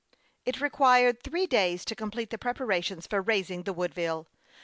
It required three days to complete the preparations for raising the Woodville.